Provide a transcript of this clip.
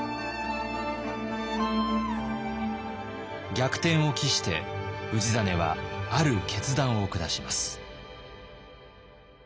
逆転を期して氏真はある決断を下します。